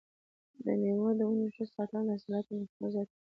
د مېوو د ونو ښه ساتنه د حاصلاتو مقدار زیاتوي.